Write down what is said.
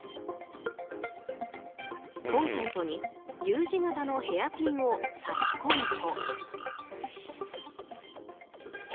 コンセントにＵ字形のヘアピンを差し込むと。